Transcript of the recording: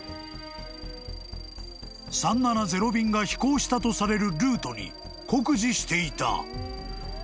［３７０便が飛行したとされるルートに酷似していた］